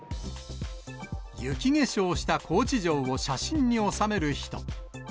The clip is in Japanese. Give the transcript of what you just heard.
雪化粧した高知城を写真に収める人。